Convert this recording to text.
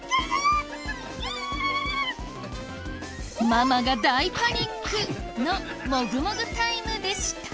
ママが大パニック！のもぐもぐタイムでした。